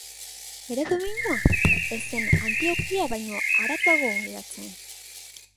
Bere domeinua, ez zen Antiokia baino haratago hedatzen.